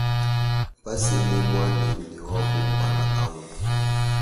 Basele muanende wa kumpala awu.